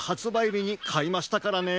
びにかいましたからね。